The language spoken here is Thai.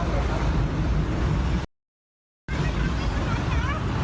คุณผู้ชมมีคลิปของกรุงเทพฯ